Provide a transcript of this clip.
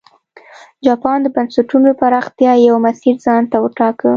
جاپان د بنسټونو د پراختیا یو مسیر ځان ته وټاکه.